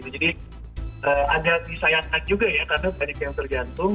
jadi agak disayangkan juga ya karena banyak yang tergantung